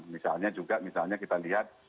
misalnya juga misalnya kita lihat